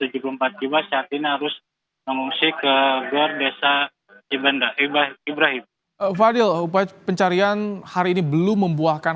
jiwa saat ini harus mengungsi ke desa ibrahim fadil upaya pencarian hari ini belum membuahkan